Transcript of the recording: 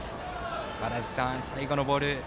川原崎さん、最後のボール。